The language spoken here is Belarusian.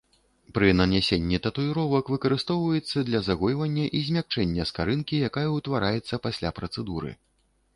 Пры нанясенні татуіровак выкарыстоўваецца для загойвання і змякчэння скарынкі, якая ўтвараецца пасля працэдуры.